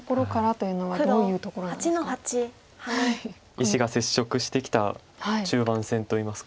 石が接触してきた中盤戦といいますか。